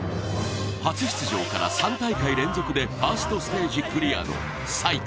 初出場から３大会連続でファーストステージクリアの才川。